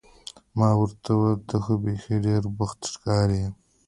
ما ورته وویل: ته خو بیخي ډېر بوخت ښکارې.